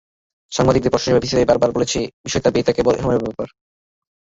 সাংবাদিকদের প্রশ্নের জবাবে বিসিসিআই বারবার বলেছে, দুজনের বিয়েটা কেবল সময়ের ব্যাপার।